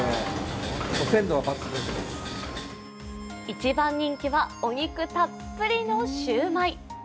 一番人気はお肉たっぷりのシューマイ。